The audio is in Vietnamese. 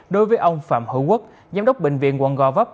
đối với ông phạm hữu quốc giám đốc bệnh viện quận gò vấp